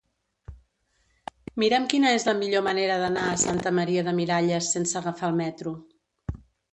Mira'm quina és la millor manera d'anar a Santa Maria de Miralles sense agafar el metro.